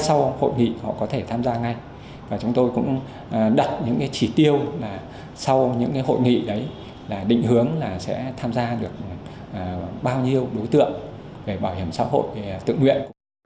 sau những hội nghị định hướng là sẽ tham gia được bao nhiêu đối tượng bảo hiểm xã hội tự nguyện